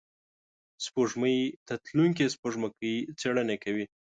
سپوږمۍ ته تلونکي سپوږمکۍ څېړنې کوي